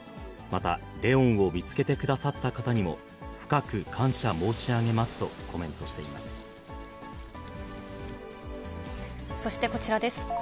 また、怜音を見つけてくださった方にも深く感謝申し上げますとコメントそしてこちらです。